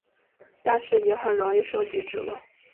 但是也很容易收集指纹。